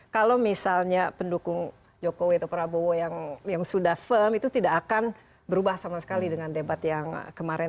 kalau misalnya pendukung jokowi atau prabowo yang sudah firm itu tidak akan berubah sama sekali dengan debat yang kemarin